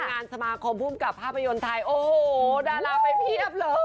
งานสมาคมภูมิกับภาพยนตร์ไทยโอ้โหดาราไปเพียบเลย